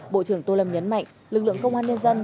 bộ trưởng tô lâm nhấn mạnh lực lượng công an nhân dân